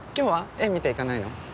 絵見ていかないの？